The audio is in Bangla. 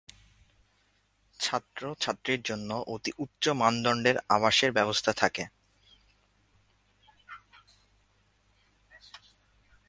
ছাত্র-ছাত্রীর জন্য অতি উচ্চ মানদণ্ডের আবাসের ব্যবস্থা থাকে।